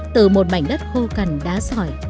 từ một mảnh đất khô cằn đá sỏi